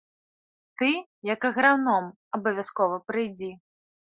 Ты, як аграном, абавязкова прыйдзі.